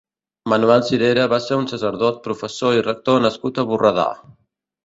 Manuel Cirera va ser un sacerdot, professor i rector nascut a Borredà.